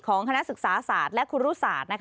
คณะศึกษาศาสตร์และครูรุศาสตร์